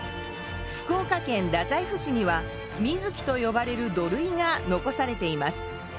福岡県太宰府市には水城と呼ばれる土塁が残されています。